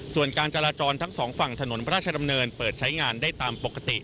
ส่วนการจราจรทั้งสองฝั่งถนนพระราชดำเนินเปิดใช้งานได้ตามปกติ